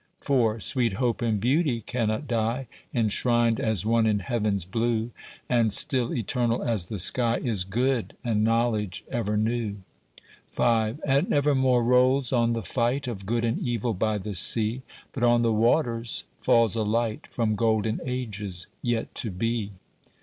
IV Sweet Hope and Beauty cannot die, Enshrined as one in heaven's blue; And still eternal as the sky Is good, and knowledge ever new. V And evermore rolls on the fight Of good and evil by the sea; But on the waters falls a light From golden ages yet to be.